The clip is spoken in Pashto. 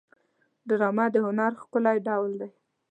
ډرامه د هنر ښکلی ډول دی